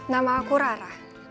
nama aku rara